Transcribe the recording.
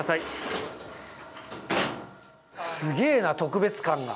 すげえな特別感が。